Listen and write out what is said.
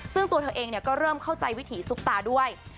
ซึ่งตัวเธอเองก็เริ่มเข้าใจวิถีซุปตาด้วย